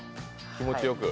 気持ちよく。